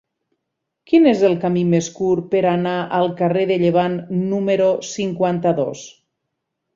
Quin és el camí més curt per anar al carrer de Llevant número cinquanta-dos?